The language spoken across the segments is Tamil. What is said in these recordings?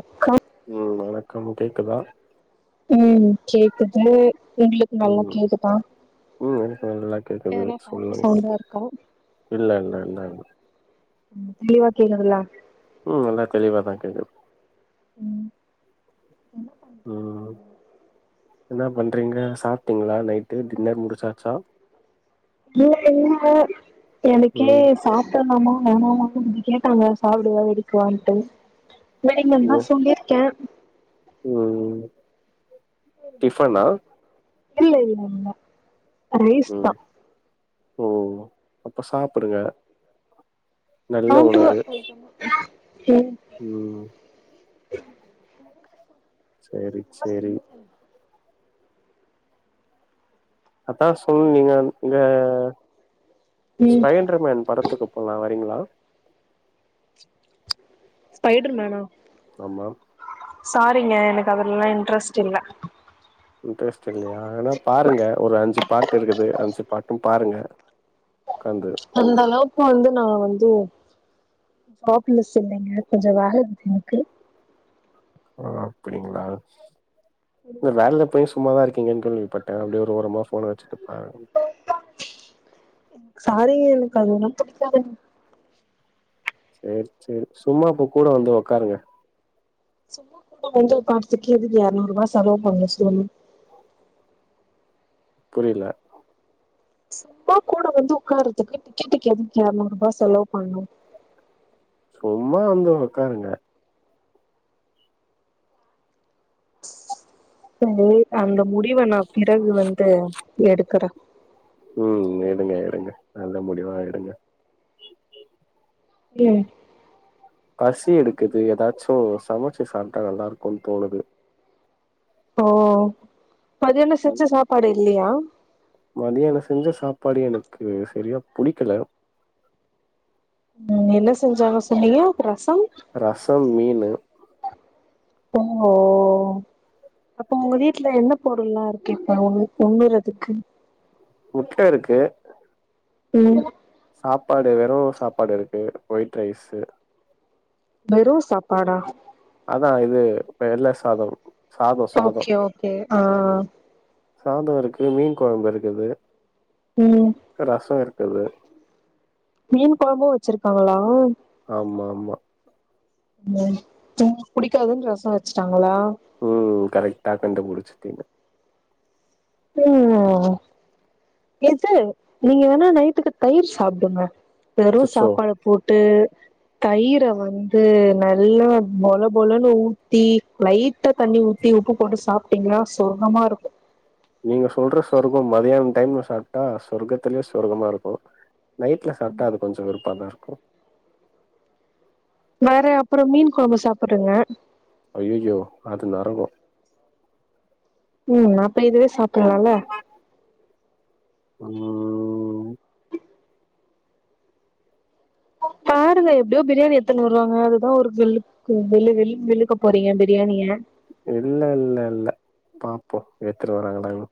அக்கா வணக்கம் கேக்குதா ம் கேக்குது உங்ளுக்கு நல்லா ம் கேக்குதா ம் எனக்கு நல்லா கேக்குது எதனா பாட்டு சொல்லுங்க சவுண்டா இருக்கா இல் ல ல ல ளிவா கேகுதுலா ம் நல்லா தெளிவாதா கேக்குது உம் என்ன பண்றீங்க சாப்பிட்டீங்ளா நைட்டு டின்னர் முடிச்சாச்சா [unintelligible] எனக்கே ம் சாப்ல மாமா வேணாமா இப்டி கேட்டாங்க சாப்படுவா எதுக்கு கவான்ட்டு வேலக் நாந்தா சொல்லிர்க்கே ம்ம் டிஃபன்னா இல்ல இல்ல இல்ல ரைஸ் தா ம் அப்ப சாப்புடுங்க நல்ல நைட்டு வா உணவு நெஜம்மா ம் [inaudible] சேரி சேரி ஆத்தும்மே அதா சொல்னுக ஆ ம் ம் ஸ்பைட்ருமேன் படத்துக்கு போல்லா வரீங்களா ஸ்பைடர் மேனா ஆமா சாரீங்க எனக்கு அதுலல்லா இன்ட்ரஸ்ட் இல்ல இன்ட்ரெஸ்ட் இல்லையா ஆனா பாருங்க ஒரு அஞ்சு பார்ட்டு இருக்குது அஞ்சு பாட்டும் பாருங்க உக்காந்து இந்த அளவுக்கு வந்து நா வந்து ஜாப்லஸ் இல்லேங்க கொஞ்ச வேல ருக்கு எனக்கு ஓ அப்படிங்களா இந்த வேலக் இப்பய சும்மாதா இருக்கேங்கன்னு கேள்விப்பட்டே அப்டியே ஒரு ஓரமா ஃபோன வச்சுட்டு பாருங் எனக்கு சாரீங்க எனக்கு அதல்லா பிடிக்காதுங்க சேரி சேரி சும்மா இப்ப கூட வந்து உக்காருங்க சும்மா கூட வந்து பாத்துக்கு எதுக்கு எர்நூற் ரூபா செலவு பண்ணும் சொல்லு புரியல சும்மா கூட வந்து உக்கார்றதுக்கு டிக்கெட்டுக்கு எதுக்கு எரநூறு ரூபா செலவு பண்ணும் சும்மா வந்து உக்காருங்க [unintelligible] அந்த முடிவ நா பிறகு வந்து எடுக்குற ம் எடுங்க எடுங்க நல்ல முடிவா எடுங்க ம் பசி எடுக்குது ஏதாச்சு சமச்சு சாப்ட்டா நல்லாருக்குன்னு தோணுது ஓ மதியானம் செஞ்ச சாப்பாடு இல்லயா மதியானம் செஞ்ச சாப்பாடு எனக்கு சரியா புடிக்கல ம் என்ன செஞ்சாங்க சொன்னீங்க ரசம் ரசம் மீனு ஓ அப்ப உங்க வீட்ல என்ன பொருள்லாருக்கு இப்ப பொங்குறதுக்கு முட்டருக்கு ம் சாப்பாடு வெறு சாப்பாடுருக்கு ஒய்ட் ரைஸு வெறு சாப்பாடா அதா இது வெள்ள சாதம் சாதோ சாதோ ஓகே ஓகே ஆ சாதோருக்கு மீன் குழம்புருக்குது ம் ரசோ இருக்குது மீன் குழம்பு வச்சிருக்காங்களா ஆமா ஆமா புடிக்காதுன்னு ரசோ வச்சுட்டாங்களா ம் கரெக்டா கண்டுபிடிச்சிட்டீங்க ம் எது நீங்க வேணா நைட்டுக்கு தயிர் சாப்டுங்க வெறு அச்சச்சோ சாப்பாட போட்டு தயிர வந்து நல்லா பொழ பொழன்னு ஊத்தி லைட் டா தண்ணி ஊத்தி உப்பு போட்டு சாப்பிட்டீங்கனா சொர்கமா இருக்கு நீங்க சொல்ற சொர்கம் மதியானம் டைம்ல சாப்ட்டா சொர்க்கத்தலயு சொர்க்கமா இருக்கு நைட்ல சாப்ட்டா அது கொஞ்சோ வெருப்பா தா இருக்கு வேற அப்றோ மீன் குழம்பு சாபிடுங்க ஐயயோ அது நரகோ ம் அப்ப இதுவே சாப்டலால ஆமா பாருங்க எப்டியோ பிரியாணி எடுத்துன்னு வருவாங்க அதுதா ஒரு வெழு வெழு வெழுன் வெழுக்க போறிங்க பிரியாணிய இல்ல இல்ல இல்ல பாப்போ எடுத்துட்டு வறாங்களாணு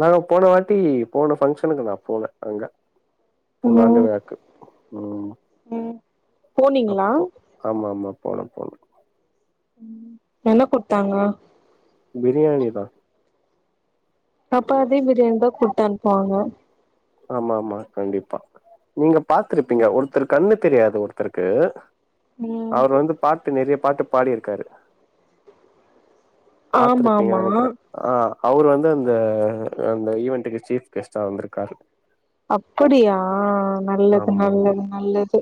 நாங்க போன வாட்டி போன பங்ஷனுக்கு நா போல அங்க பூன்னாண்டு ம் வேக்கு ம் ம் போனீங்களா அப்போ ஆமா ஆமா போனே போனே என்ன குடுத்தாங்க பிரியாணி தா அப்ப அதே பிரியாணி தா குடுத்தனுப்புவாங்க ஆமா ஆமா கண்டிப்பா நீங்க பாத்ருப்பீங்க ஒருத்தரு கண்ணு தெரியாது ஒருத்தருக்கு ம் அவரு வந்து பாத்து நெறய பாட்டு பாடியிருக்காரு பாத்திருப்பீங்கன் ஆமாமா நெனைக்கிறே ஆ அவரு வந்து அந்த அந்த ஈவென்டுக்கு சீப் கெஸ்ட்டா வந்திருக்காரு அப்படியா நல்லது ஆமா ஆமா நல்லது நல்லது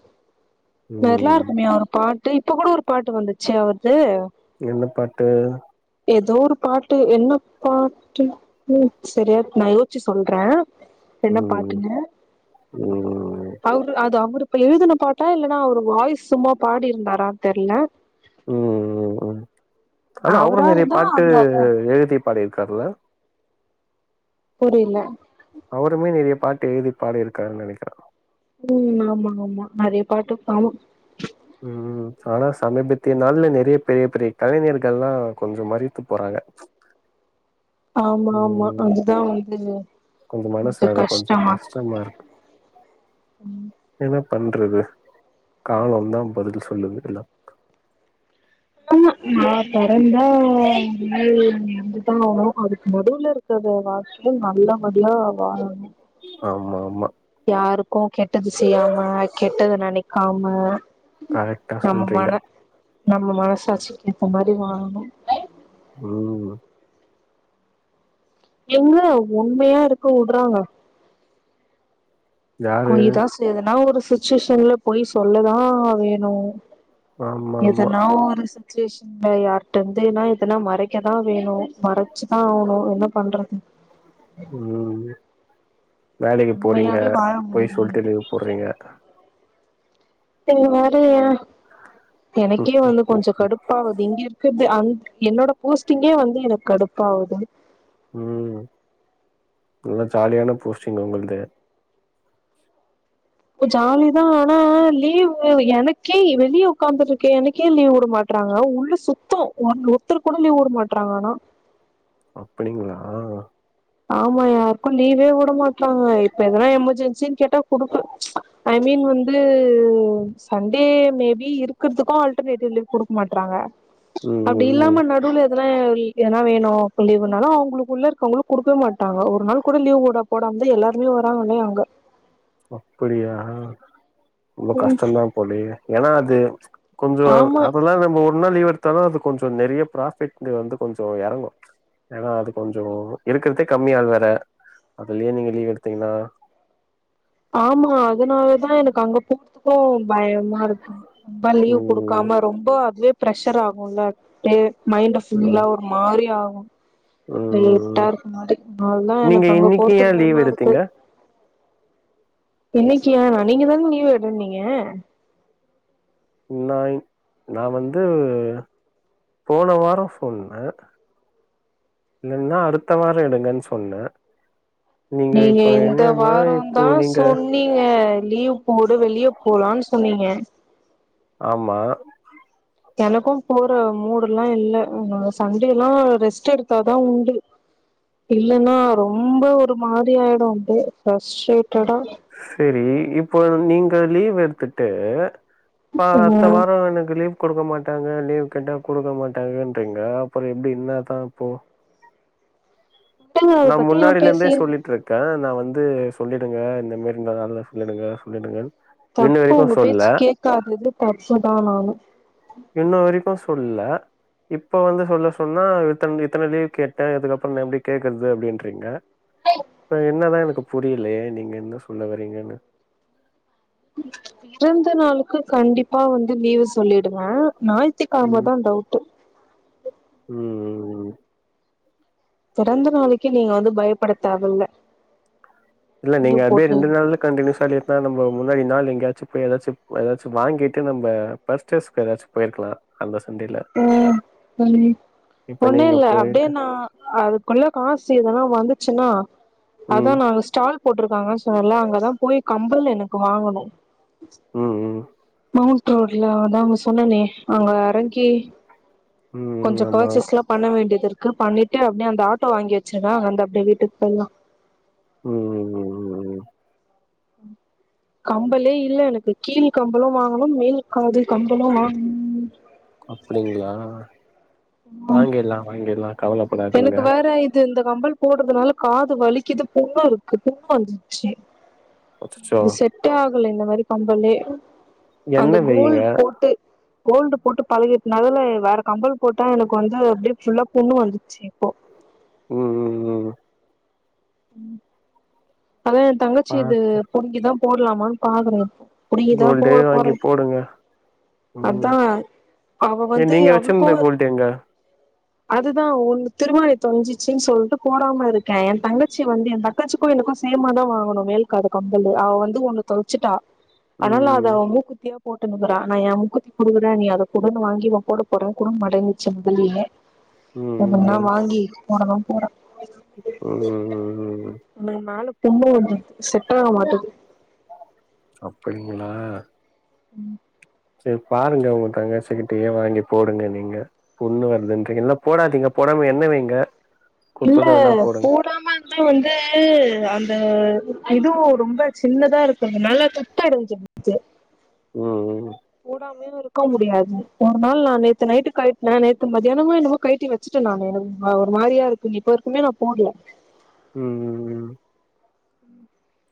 வெரல்லா ம் இருக்குமே அவரு பாட்டு இப்ப கூட ஒரு பாட்டு வந்துச்சு அவர்து என்ன பாட்டு எதோ ஒரு பாட்டு என்ன பாட்டு ம் செரியா நா யோஸ்ச்சி சொல்றே என்ன ம் பாட்டுங்க ம் அவங்ளு அது அவ்ரு இப்ப எழுதின பாட்டா இல்லன்னா அவரு வாய்ஸ் சும்மா பாடியிருந்தாரா தெர்ல ம் ம் ம் ஆனா அவரு அவரா நெறைய இருந்தா பாட்டு அவரு அத எழுதி பாடியிருகார்ல்ல புரிய்ல அவருமே நெறைய பாட்டு எழுதி பாடியிருக்காருன் நெனைக்கிறே ம் ஆமா ஆமா நெறைய பாட்டு ஆமா ம் ஆனா சமீபத்திய நாள்ல நெறைய பெரிய பெரிய கலைஞர்கள்லா கொஞ்சம் மரித்து போறாங்க [inaudible] ஆமா ஆமா ம் அதுதா வந்து கொஞ்சோ மனசு அத கொஞ்சோ கஷ்டமாருக்கு என்ன பண்றது காலம்தா பதில் சொல்லுது எல்லா ஸ்கூல் நா பொறந்த [unintelligible] அது வந்து தா [unintelligible] க்க ஒரு வாழ்க்கையு நல்லபடியா வாழணு ஆமா ஆமா யாருக்கு கெட்டது செய்யாம கெட்டத நெனைக்காம கரெக்டா நம்ம சொல்றீங்க. மன நம்ம மனசாட்சிக் கேத்த மாரி வாளணு ம் எங்க உண்மையா இருக்க உட்றாங்க யாரு பொய்தா சைதுன்னா ஒரு சுச்சுவேஷன்ல பொய் சொல்லதா வேணு ஆமா, ஆமா. எதுனா ஒரு சுச்சுவேஷன் இத யார்ட்டந்துன்னா எதுனா மறைக்கதா வேணு மறைச்சிதா ஆவணு என்ன பண்றது ம் வேலைக்கு போறீங்க உண்மையாவே வாழ பொய் முடியலையே சொல்ட்டு லீவு போட்றீங்க நீ வேற ஏ ம். எனக்கே ம், வந்து ம். கொஞ்சோ கடுப்பாவுது இங் கிர்தே அங்க் என்னோட போஸ்ட்டிங்கே வந்து எனக் கடுப்பாவுது ம் நல்ல ஜாலியான போஸ்ட்டிங் உங்ள்து ஜாலி தா ஆனா லீவ் எனக்கே வெளிய உக்காந்துட்ருக்க எனக் ஏ லீவ்வுட மாட் றாங்க உள்ள சுத்தோ ஒன் ஒருத்தர் கூட லீவ்வுட மாட்றாங்க ஆனா அப்படிங்ளா ஆமா யாற்க்கு லீவே உட மாட்றாங்க இப்ப எதனா எமர்ஜென்சின் கேட்டா குடுக் ஐ மீன் வந்து சண்டே மேபி இருக்கறதுக்கு ஆல்டர்னேடிவ் லீவ் குடுக் மாட்றாங்க ம் அப்டி ம், ம். இல்லாம நடுவ்ல எதனா எதனா வேணு அப்ப லீவுனாலு அவுங்குளுக்குள்ள இருக்கவங்களு குடுக்கவே மாட்டாங்க ஒரு நாள் கூட லீவ்க்கூட ‌ போடாமதா எல்லாருமே வராங்ளே அங்க அப்டியா ரொம்ப கஷ்டந்தா போலியே ஏனா ‌அது கொஞ்சோ ஆமா அதெல்லா நம்ப ஒரு நாள் லீவ் எடுத்தாலு அது கொஞ்சோ நெறையா ப்ராஃபிட் வந்து கொஞ்சோ எறங்கு ஏனா அது கொஞ்சோ இருக்குறதே கம்மி ஆள் வேற அதுலியு நீங்க லீவ் எடுத்தீங்ன்னா ஆமா அதனால தா எனக் அங்க போறத் ஓ பயமா இருக்குங் ரொம்ப லீவ் ம், குடுக்காம ரொம்ப அதுவே ஃபிரெஷர் ஆகுல்ல மைண்ட் ம், ஃபுல்லா ஒரு மாரி ஆகு ம், ம். லேட்டா இருக்க மாரி அதா நீங்க எனக்கு அங்க இன்னைக்கு போறதுக்கு ஏன் பயமா லீவ் எடுத்தீங்க? இருக்கு இன்னிக்கி ஏனா நீங்கதானே லீவ் எடுன்னீங்க நாயின் நா வந்து போன வாரோ சொன்ன இல்லனா அடுத்த வாரோ எடுங்கனு சொன்ன நீங்க இந்த இப்போ வாரோந்தான் நீங்க சொ னீங்க லீவ் போடு வெளிய போலான்னு சொன்னீங்க ஆமா எனக்கும் போற மூடெல்லா இல்ல சண்டேயெல்லா ரெஸ்ட் எடுத்தாதா உண்டு இல்லனா ரொம்ப ஒரு மாரி ஆயிடு அப்டியே ஃபர்ஷ்ரேட்டடா சேரி இப்போ நீங்க லீவ் எடுத்துட்டு பா அடுத்த ம் வாரோ எனக்கு லீவ் குடுக்க மாட்டாங்க லீவ் கரெக்ட்டா குடுக்க மாட்டாங்கன்றீங்க அப்றோ எப்டி என்னதான் போ அத நா பத்தி ஏ முன்னாடிலிந்தே பேசிய சொல்லிட்டுரு க்க நா வந்து சொல்லிடுங்க இந்த மாரி நாள்ல சொல்லிடுங்க சொல்லிடுங்கனு தப்பு உங்க பேச்சு கேக்காதது தப்புதான் நானு இன்ன வரைக்கு சொல்ல இப்ப வந்து சொல்ல சொன்னா இத்தன இத்தன லீவ் கேட்ட இதுக்கப்றோ எப்டி கேக்கறது அப்டின்றீங்க இப்ப என்னதா எனக்கு புரியலியே நீங்க என்ன சொல்ல வரீங்கனு பிறந்த நாளுக்கு கண்டிப்பா வந்து லீவு சொல்லிடுவ ஞாயித்து ம் கிழமதா டவுட்டு ட்டு ம் பிறந்த நாளைக்கி நீங்க வந்து பயப்பட தேவ இல்ல இல்ல நீங்க அப்டியே ரெண்டு நாளு கண்டின்யூசா லீவ்னா நம்ப முன்னாடி நாள் எங்கேயாச்சு போய் எதாச்சு எதாச்சு வாங்கிட்டு நம்ப ஃபர்ஸ்ட்டேஸ்கெராச்சு போயிருக்கலா அந்த சண்டேல ம் ம் இப்ப ஒண்ணு நீங்க இல்ல அப்டியே போயிட்டு நா அதுக்குள்ள காசு இதெல்லா வந்துச்சுனா அதா ம் நாங்க ஸ்டால் போட்டுருக்காங்கன் சொன்னல்ல அங்கதான் போய் கம்பல் எனக்கு வாங்கணு ம் ம் மவுண்ட் ரோட்ல அதா அங்க சொன்னனே அங்க எறங்கி ம் கொஞ்சோ ஆமா பேர்ச்செஸ்ல்லா பண்ண வேண்டிது இருக்கு பண்ணிட்டு அப்டியே அந்த ஆட்டோ வாங்கி வெச்சுருங்க அங்கிருந்து அப்டியே வீட்டுக்கு போயிடலா ம் ம் ம் ம் ம் கம்பலே இல்ல எனக்கு கீழ் கம்பளு வாங்கணு மேல் காது கம்பளு வாங்கணு அப்டிங்ளா வாங்கிர்லா வாங்கிர்லா எனக்கு வேற இது இந்த கம்பல் போடுறதுனால காது வலிக்குது புண்ணு இருக்கு புண்ணு வந்துச்சு அச்சச்சோ இது செட்டே ஆகல இந்த மாரி கம்பலே அந்த எண்ணெய் வையுங்க கோல்டு போ ட்டு கோல்டு போட்டு பழகிட்டனால வேற கம்பல் போட்டா எனக்கு வந்து அப்டியே ஃபுல்லா புண்ணு வந்து சீ போ ம் ம் ம் அதான் என் தங்கச்சி இது பார்த்து புடுங்கிதான் போடலாமான்னு பாக்குற இப்போ புடுங்கிதா கோல்டே போட போறே வாங்கி போடுங்க ம் அதா அவ ஏ வந்து நீங்க அவளுக்கு வெச்சிந்த கோல்டு எங்க அதுதா ஒன்னு திருவாணி தொலஞ்சிச்சுன்னு சொல்ட்டு போடாம இருக்கே என் தங்கச்சி வந்து என் தங்கச்சிக்கும் எனக்கும் சேமா தா வாங்குனோ மேல் காது கம்பலு அவ வந்து ஒன்னு தொலச்சுட்டா ஆனால ம் இல்ல ம் அவ மூக்குத்தியா போட்ந்தபாரு ஆனா என் மூக்குத்தி குடுக்கறே நீ அத குடு வாங்கி நா போடபோறே குடுக்க மாட்டேங்குது செம்புலயே ம் ம் எப்பிட்ன்னா ம் வாங்கி போட தா போறே ம் ம் ம் ம் உன்ன நாலும் ரொம்ப வந்துட்து செட்டாக மாட்டேங்கு அப்படிங்களா சேர் பாருங்க உங்க தங்கசிக்கிட்டயே வாங்கி போடுங்க நீங்க புண்ணு வருதுன்றீங்க இல்லன்னா போடாதீங்க போடாம எண்ணெ வைங்க இல்ல குத்தத வேணா போடுங்க போடாம அம்ப வந்து அந்த இதுவு ரொம்ப சின்னதா இருக்குறதுனால துத் அடைஞ்சு முத்து உம் உம் போடாமையு இருக்க முடியாது ஒரு நாள் நா நேத்து நைட்டு கலட்னே நேத்து மத்தியானமோ என்னமோ கழட்டி வச் சிட்ட நானு எனக்கு ஒரு மாறியா இருக்கு இப்போ வரைக்குமே நா போட்ல ம்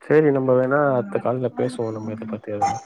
சேரி நம்ம வேணா அடுத்த கால்ல பேசுவோ நம்ம இதை பத்தி எதுனா